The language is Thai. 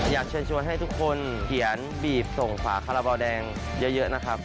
อยากเชิญชวนให้ทุกคนเขียนบีบส่งฝาคาราบาลแดงเยอะนะครับ